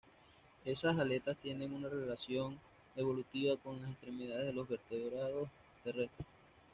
Esas aletas tienen una relación evolutiva con las extremidades de los vertebrados terrestres.